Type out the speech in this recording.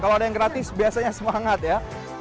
kalau ada yang gratis biasanya semangat ya